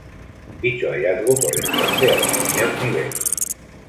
Dicho hallazgo corresponde a un primer nivel.